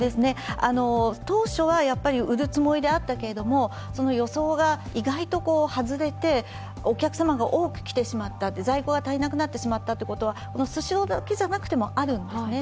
当初は売るつもりであったけれども、その予想が意外と外れてお客様が多くきてしまった、在庫が足りなくなってしまったということはスシローだけじゃなくてもあるんですよね。